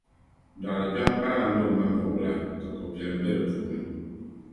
Dɔɣirikpɛma paana ni o ŋmambuɣibila ka ko'piɛlim be di puuni.